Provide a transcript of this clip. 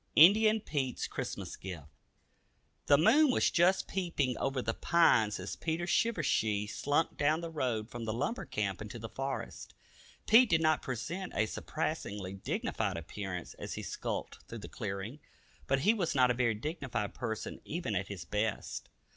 INDIAN PETE'S CHRISTMAS GIFT. BY HERBERT W. COLLINGWOOD. The moon was just peeping over the pines as Pete Shivershee slunk down the road from the lumber camp into the forest. Pete did not present a surpassingly dignified appearance as he skulked through the clearing, but he was not a very dignified person even at his best.